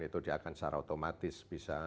itu dia akan secara otomatis bisa